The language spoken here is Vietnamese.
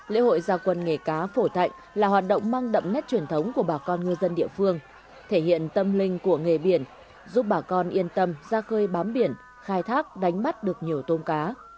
lễ hội gia quân nghề cá phổ thạnh là hoạt động mang đậm nét truyền thống của bà con ngư dân địa phương thể hiện tâm linh của nghề biển giúp bà con yên tâm ra khơi bám biển khai thác đánh bắt được nhiều tôm cá